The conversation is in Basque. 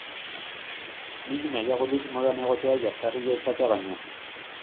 Nik nahiago dut modan egotea jazarria izatea baino.